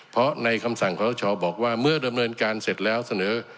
เพราะในคำสั่งขอสชบอกว่าเมื่อดำเนินการเสร็จแล้วเสนอ